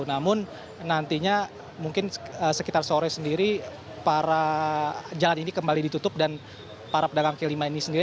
namun nantinya mungkin sekitar sore sendiri para jalan ini kembali ditutup dan para pedagang ke lima ini sendiri